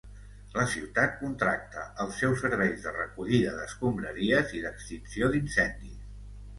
La ciutat contracta els seus serveis de recollida d'escombraries i d'extinció d'incendis.